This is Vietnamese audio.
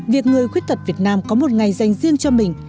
việc người khuyết tật việt nam có một ngày dành riêng cho mình